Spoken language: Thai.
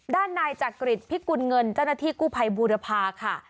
ด้านนายจักริจพิกุลเงินเจ้าหน้าที่กู้ภัยบูรพาค่ะ